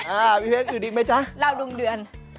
อ่าพี่เบ๊กคือดีไหมจ๊ะเราดุลเดือน